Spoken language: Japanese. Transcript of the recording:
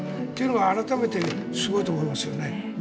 改めてすごいと思いますね。